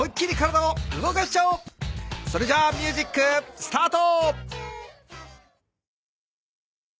それじゃあミュージックスタート！